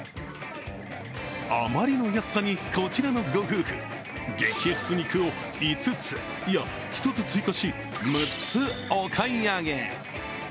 あまりの安さにこちらのご夫婦、激安肉を５つ、いや、１つ追加し６つお買い上げ。